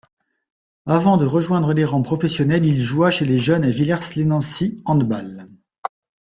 Avant de rejoindre les rangs professionnels, il joua chez les jeunes à Villers-lès-Nancy handball.